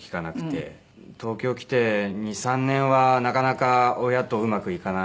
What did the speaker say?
東京来て２３年はなかなか親とうまくいかない。